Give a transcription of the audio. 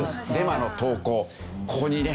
ここにね